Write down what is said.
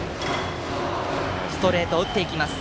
ストレートを打っていきました。